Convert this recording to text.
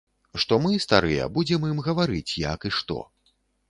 Што мы, старыя, будзем ім гаварыць, як і што.